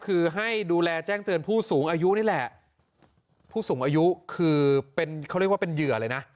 คือให้ดูแลแจ้งเตือนผู้สูงอายุนี่แหละผู้สูงอายุคือเป็นเขาเรียกว่าเป็นเหยื่อเลยนะ